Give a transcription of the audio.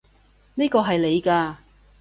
呢個係你嘅